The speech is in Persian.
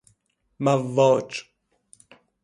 مواج